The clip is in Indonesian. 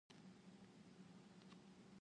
Aku juga ingin susu.